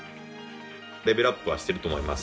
レベルアップはしてると思います。